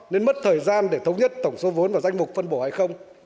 nên mất thời gian để thống nhất tổng số vốn và danh mục phân bổ hay không